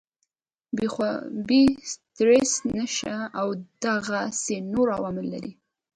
بې خوابي ، سټريس ، نشه او دغسې نور عوامل لري